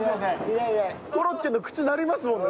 コロッケの口になりますもんね